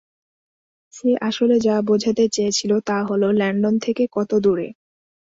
সে আসলে যা বোঝাতে চেয়েছিল তা হল ল্যান্ডন থেকে কত দূরে।